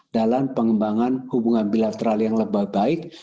dalam pengembangan hubungan bilateral yang lebih baik